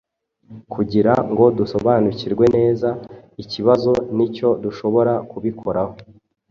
Kugira ngo dusobanukirwe neza ikibazo nicyo dushobora kubikoraho,